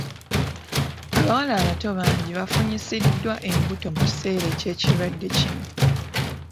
Abawala abato bangi bafunyisiddwa embuto mu kiseera ky'ekirwadde kino.